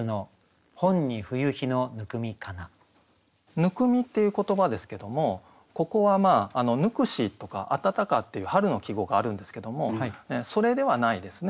「温み」っていう言葉ですけどもここは「ぬくし」とか「暖か」っていう春の季語があるんですけどもそれではないですね。